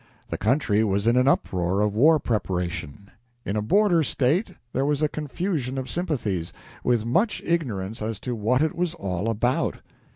The country was in an uproar of war preparation; in a border State there was a confusion of sympathies, with much ignorance as to what it was all about.